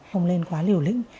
không nên quá liều lĩnh